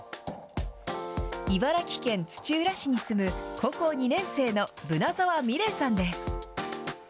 茨城県土浦市に住む高校２年生の樗澤美麗さんです。